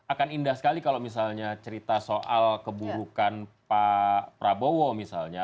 akan indah sekali kalau misalnya cerita soal keburukan pak prabowo misalnya